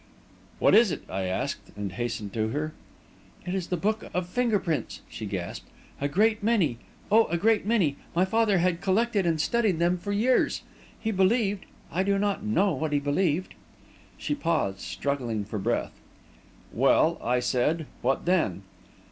"What is it?" I asked, and hastened to her. "It is the book of finger prints," she gasped. "A great many oh, a great many my father collected and studied them for years. He believed I do not know what he believed." She paused, struggling for breath. "Well," I said; "what then?"